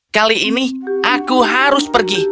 kali ini aku harus pergi